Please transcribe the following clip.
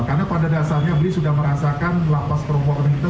karena pada dasarnya bli sudah merasakan lapas promosi kita